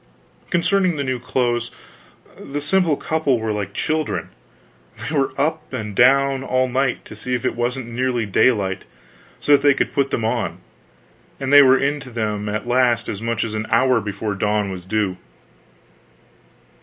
Concerning the new clothes, the simple couple were like children; they were up and down, all night, to see if it wasn't nearly daylight, so that they could put them on, and they were into them at last as much as an hour before dawn was due.